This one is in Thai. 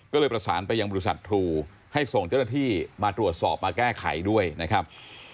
ก็เลยประสานไปยังบริษัททรูให้ส่งเจ้าหน้าที่มาตรวจสอบมาแก้ไขด้วยนะครับ